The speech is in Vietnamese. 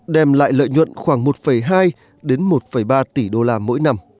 đem lại lợi nhuận khoảng một hai một ba tỷ đô la mỗi năm